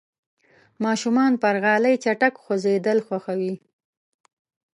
ماشومان پر غالۍ چټک خوځېدل خوښوي.